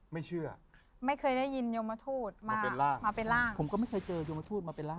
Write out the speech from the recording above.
ไม่เชื่อไม่เคยได้ยินยมทูตมาเป็นร่างมาเป็นร่างผมก็ไม่เคยเจอยมทูตมาเป็นร่าง